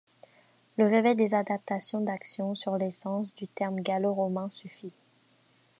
Le réveil des adaptations d'action sur les sens du terme gallo-romain suffit.